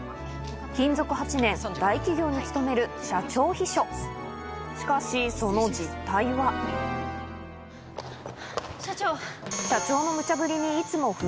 勤続８年大企業に勤める社長秘書しかしその実態はハァハァ社長！